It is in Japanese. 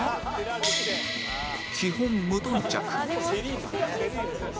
基本無頓着